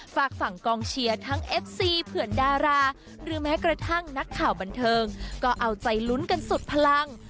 ฝากฝั่งกองเชียร์ทั้งเอฟซีเพื่อนดาราหรือแม้กระทั่งนักข่าวบันเทิงก็เอาใจลุ้นกันสุดพลัง